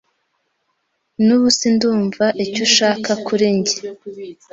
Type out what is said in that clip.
Nubu sindumva icyo ushaka kuri njye.